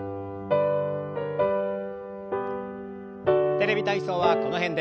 「テレビ体操」はこの辺で。